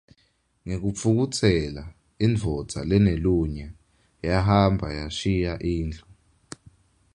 Ngekutfukutsela indvodza lenelunya yahamba yashiya indlu.